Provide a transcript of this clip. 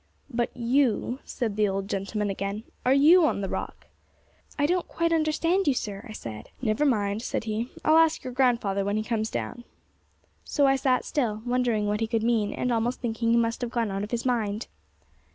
'But you,' said the old gentleman again, 'are you on the Rock?' 'I don't quite understand you, sir,' I said. 'Never mind,' he said; 'I'll ask your grandfather when he comes down.' So I sat still, wondering what he could mean, and almost thinking he must have gone out of his mind.